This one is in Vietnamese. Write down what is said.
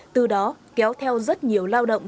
từ đó kéo theo rất nhiều lao động